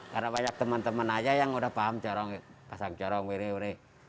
karena banyak teman teman aja yang udah paham corong pasang corong ini ini